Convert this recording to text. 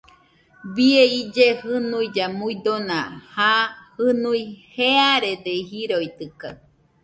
Bie ille junuilla muidona, ja jɨnui jearede jiroitɨkaɨ